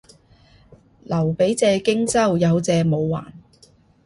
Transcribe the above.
劉備借荊州，有借冇還